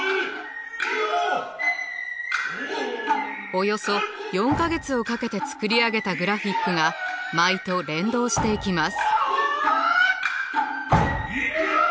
およそ４か月をかけて作り上げたグラフィックが舞と連動していきます。